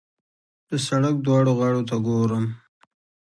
د سړک دواړو غاړو ته ګورم.